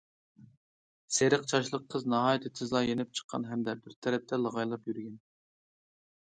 سېرىق چاچلىق قىز ناھايىتى تېزلا يېنىپ چىققان ھەمدە بىر تەرەپتە لاغايلاپ يۈرگەن.